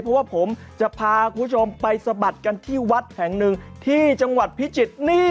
เพราะว่าผมจะพาคุณผู้ชมไปสะบัดกันที่วัดแห่งหนึ่งที่จังหวัดพิจิตรนี่